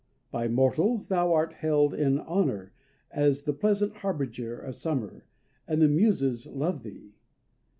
By mortals thou art held in honor as the pleasant harbinger of summer; and the Muses love thee.